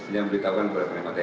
yang dikatakan oleh penglima te ini